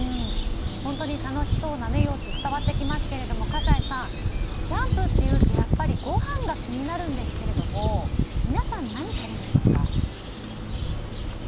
本当に楽しそうな様子が伝わってきますけど葛西さん、キャンプというとやっぱり、ごはんが気になるんですけども皆さん何を食べるんですか？